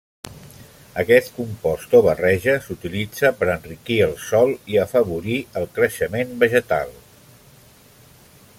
Aquest compost o barreja s'utilitza per enriquir el sòl i afavorir el creixement vegetal.